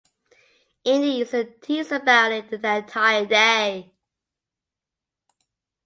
Andy is then teased about it the entire day.